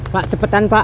pak cepetan pak